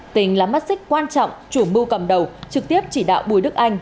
tình là mắt xích quan trọng chủ mưu cầm đầu trực tiếp chỉ đạo bùi đức anh